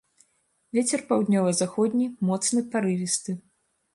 Вецер паўднёва-заходні моцны парывісты.